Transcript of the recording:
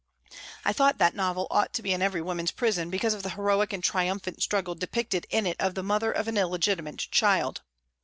I thought that novel ought to be in every woman's prison because of the heroic and triumphant struggle depicted in it of the mother of an illegitimate child.